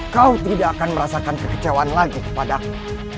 kau tidak akan merasakan kekecewaan lagi kepadaku